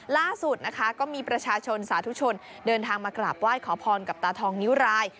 ล่าสุดนะคะก็มีประชาชนสาธุชนเดินทางมากราบไหว้ขอพรกับตาทองนิ้วราย